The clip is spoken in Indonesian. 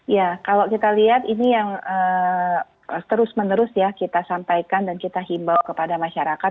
ya kalau kita lihat ini yang terus menerus ya kita sampaikan dan kita himbau kepada masyarakat